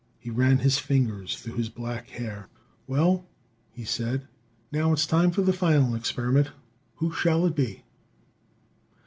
He ran his fingers through his black hair. "Well," he said, "now it's time for the final experiment. Who shall it be?"